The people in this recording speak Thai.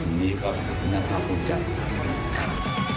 แล้วส่งอีกก็จากจันทรกรรมเพื่อนน้ำพระพุทธใจเครื่องจิสกัล